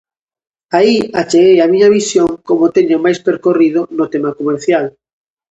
Aí acheguei a miña visión, como teño máis percorrido, no tema comercial.